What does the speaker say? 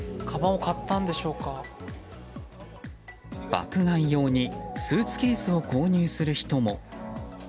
爆買い用にスーツケースを購入する人も。